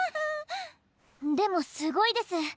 でもすごいです。